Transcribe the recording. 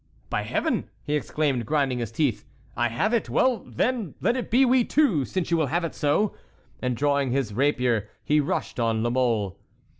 "By Heaven!" he exclaimed, grinding his teeth; "I have it. Well, then, let it be we two, since you will have it so!" And drawing his rapier, he rushed on La Mole.